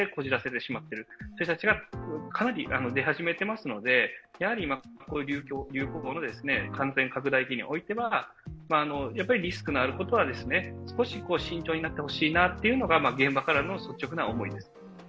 そういう人たちがかなり出始めていますので、やはり、この流行の感染拡大期においては、リスクがあることは少し慎重になってほしいなというのは現場からの率直な思いです。